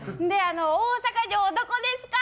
大阪城、どこですか？